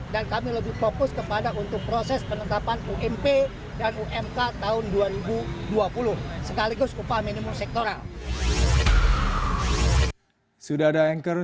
dan kami lebih fokus kepada untuk proses penetapan ump dan umk tahun dua ribu dua puluh sekaligus upah minimum sektoral